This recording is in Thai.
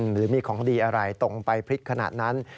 หรือมีของดีอะไรตรงไปพลิกขนาดนั้น